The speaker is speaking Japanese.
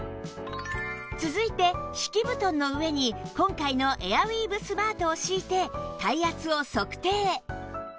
続いて敷き布団の上に今回のエアウィーヴスマートを敷いて体圧を測定